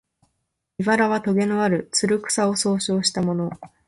「茨」はとげのある、つる草を総称したもの